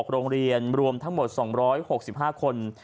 โรงเรียนรวมทั้งหมด๒๖๕คน